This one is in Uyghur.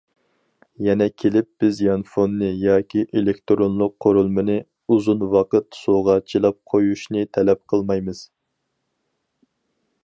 يەنە كېلىپ بىز يانفوننى ياكى ئېلېكتىرونلۇق قۇرۇلمىنى ئۇزۇن ۋاقىت سۇغا چىلاپ قۇيۇشنى تەلەپ قىلمايمىز.